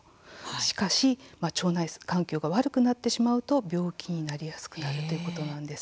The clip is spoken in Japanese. しかし、腸内環境が悪くなってしまうと病気になりやすくなるということなんです。